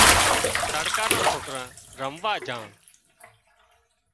تڙڪا نا سوڪرا رموا جھا